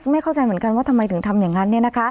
ไม่เข้าใจเหมือนกันว่าทำไมถึงทำอย่างนั้น